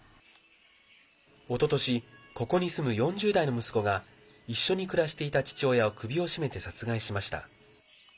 おととし、ここに住む４０代の息子が一緒に暮らしていた父親を首を絞めて殺害しました。